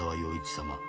様